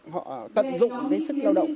họ tận dụng cái sức lao động